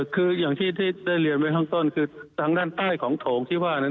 คืออย่างที่ได้เรียนไว้ข้างต้นคือทางด้านใต้ของโถงที่ว่านั้น